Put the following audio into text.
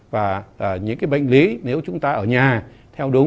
và những bệnh lý nếu chúng ta ở nhà theo đúng